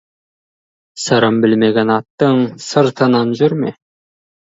Сырын білмеген аттың сыртынан жүрме.